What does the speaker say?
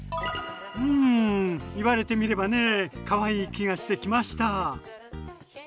うん言われてみればねかわいい気がしてきました！